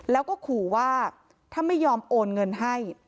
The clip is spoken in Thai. แล้วก็ขู่ว่าถ้าไม่ยอมโอนเงินให้